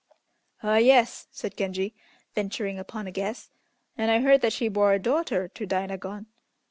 "Ah, yes," said Genji, venturing upon a guess, "and I heard that she bore a daughter to Dainagon."